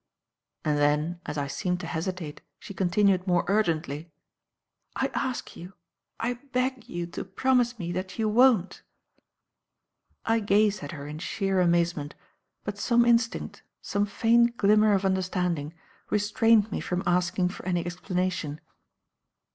And then, as I seemed to hesitate, she continued more urgently; "I ask you I beg you to promise me that you won't." I gazed at her in sheer amazement; but some instinct, some faint glimmer of understanding, restrained me from asking for any explanation.